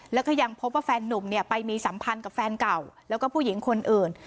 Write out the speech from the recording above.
แล้วก็ยังพบว่าแฟนนุ่มเนี่ยไปมีสัมพันธ์กับแฟนเก่าแล้วก็ผู้หญิงคนอื่น